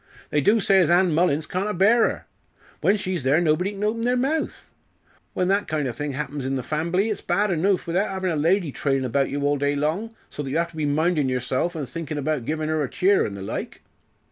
"They do say as Ann Mullins can't abear her. When she's there nobody can open their mouth. When that kind o' thing happens in the fambly it's bad enoof without havin' a lady trailin' about you all day long, so that you have to be mindin' yersel', an' thinkin' about givin' her a cheer, an' the like."